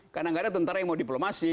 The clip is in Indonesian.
karena tidak ada tentara yang mau diplomasi